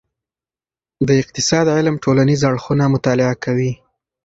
د اقتصاد علم ټولنیز اړخونه مطالعه کوي.